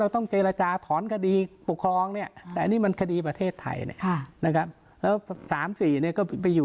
เราต้องเจรจาถอนคดีปกครองแต่นี่มันคดีประเทศไทย